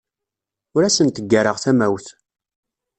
Ur asent-ggareɣ tamawt.